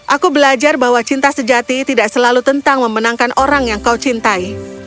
aku belajar bahwa cinta sejati tidak selalu tentang memenangkan orang yang kau cintai